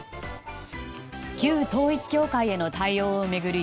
旧統一教会への対応を巡り